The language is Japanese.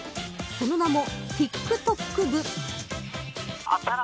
その名もＴｉｋＴｏｋＢＵ。